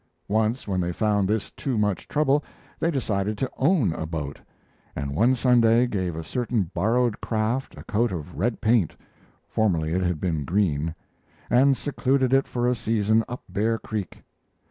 Once when they found this too much trouble, they decided to own a boat, and one Sunday gave a certain borrowed craft a coat of red paint (formerly it had been green), and secluded it for a season up Bear Creek.